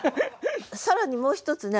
更にもう一つね